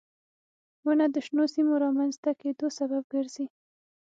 • ونه د شنو سیمو رامنځته کېدو سبب ګرځي.